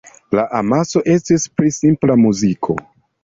La amaso estis pri simpla muziko.